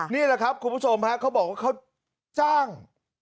นี่แหละครับคุณผู้ชมฮะเขาบอกว่าเขาจ้าง